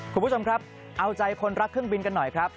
คุณผู้ชมครับเอาใจคนรักเครื่องบินกันหน่อยครับ